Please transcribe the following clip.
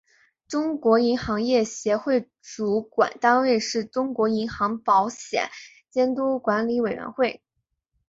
中国银行业协会主管单位是中国银行保险监督管理委员会。